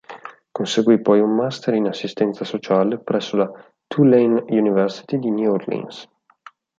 Conseguì poi un master in assistenza sociale presso la Tulane University di New Orleans.